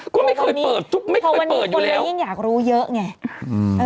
ก็ไม่เคยเปิดไม่เคยเปิดอยู่แล้วเพราะวันนี้คนนี้ยังอยากรู้เยอะไง